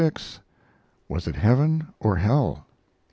CCXXVI. "WAS IT HEAVEN? OR HELL?"